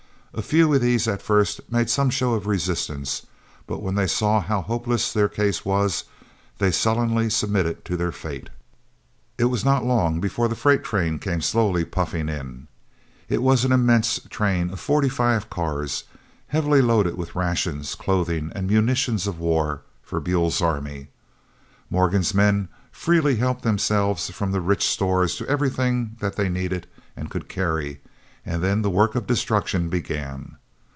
A few of these at first made some show of resistance; but when they saw how hopeless their case was, they sullenly submitted to their fate. It was not long before the freight train came slowly puffing in. It was an immense train of forty five cars, heavily loaded with rations, clothing, and munitions of war for Buell's army. Morgan's men freely helped themselves from the rich stores to everything that they needed and could carry, and then the work of destruction began.